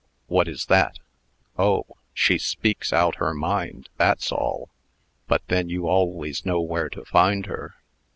"What is that?" "Oh! she speaks out her mind that's all. But then you always know where to find her."